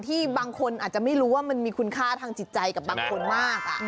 ที่บางคนอาจจะไม่รู้ว่ามันมีคุณค่าทางจิตใจกับบางคนมาก